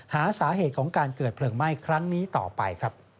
หาสาเหตุของการเกิดเพลิงไหม้ครั้งนี้ต่อไปครับ